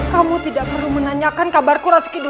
kamu tidak perlu menanyakan kabarku ratus kidul